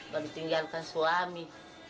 baru tinggalkan suami